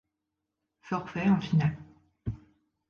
Forfait en finale.